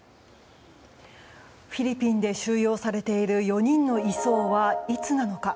フィリピンで収容されている４人の移送はいつなのか。